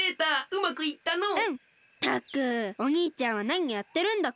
ったくおにいちゃんはなにやってるんだか。